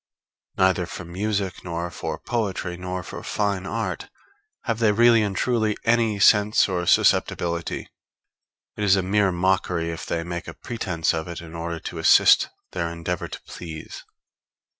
Neither for music, nor for poetry, nor for fine art, have they really and truly any sense or susceptibility; it is a mere mockery if they make a pretence of it in order to assist their endeavor to please.